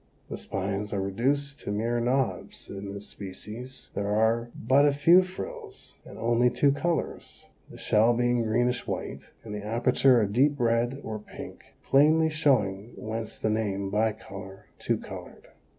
The spines are reduced to mere knobs in this species, there are but a few frills, and only two colors, the shell being greenish white and the aperture a deep red or pink, plainly showing whence the name, bicolor, two colored.